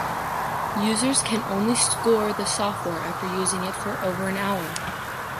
Users can only score the software after using it for over an hour.